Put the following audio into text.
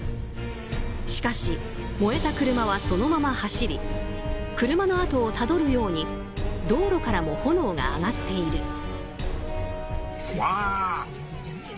しかし、燃えた車はそのまま走り車のあとをたどるように道路からも炎が上がっている。